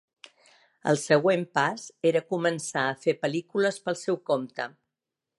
El següent pas era començar a fer pel·lícules pel seu compte.